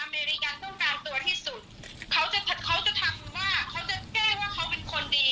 เมริกันต้องการตัวที่สุดเขาจะเขาจะทำว่าเขาจะแก้ว่าเขาเป็นคนดี